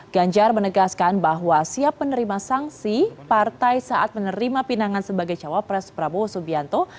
ganjar menegaskan bahwa siap menerima sanksi partai saat menerima pinangan sebagai cawapres prabowo subianto